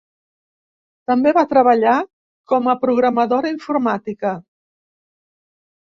També va treballar com a programadora informàtica.